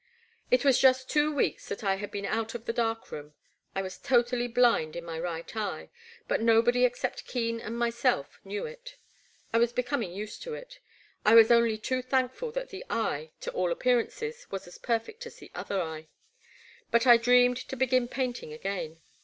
It was just two weeks that I had been out of the dark room. I was totally blind in my right eye, but nobody except Keen and myself knew it. I was becoming used to it — I was only too thank ful that the eye, to all appearances, was as perfect as the other eye. But I dreaded to begin paint ing again.